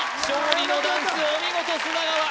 勝利のダンスお見事砂川